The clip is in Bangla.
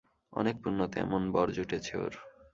অনেক পুণ্যতে এমন বর জুটেছে ওর।